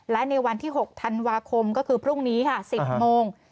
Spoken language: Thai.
และในวันที่๖ธันวาคมก็คือพรุ่งนี้ค่ะ๑๐โมง